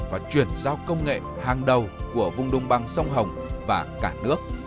và chuyển giao công nghệ hàng đầu của vùng đông băng sông hồng và cả nước